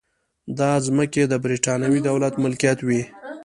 دا ځمکې د برېټانوي دولت ملکیت وې.